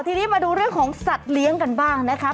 ทีนี้มาดูเรื่องของสัตว์เลี้ยงกันบ้างนะคะ